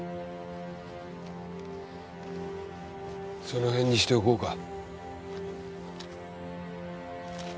その辺にしておこうか。